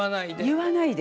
言わないで。